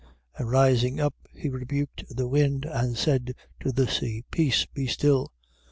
4:39. And rising up, he rebuked the wind, and said to the sea: Peace, be still.